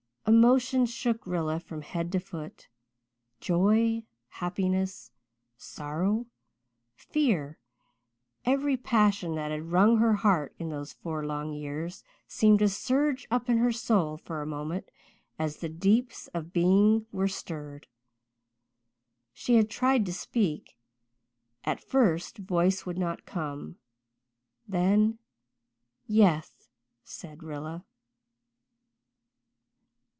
Emotion shook Rilla from head to foot. Joy happiness sorrow fear every passion that had wrung her heart in those four long years seemed to surge up in her soul for a moment as the deeps of being were stirred. She had tried to speak; at first voice would not come. Then "Yeth," said Rilla.